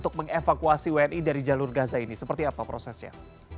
bagaimana dengan upaya dari kemenlu untuk mengevakuasi wni dari jalur gaza ini seperti apa prosesnya